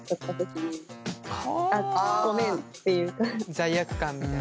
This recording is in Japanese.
罪悪感みたいな。